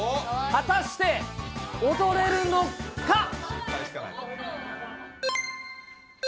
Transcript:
果たして、踊れるのか。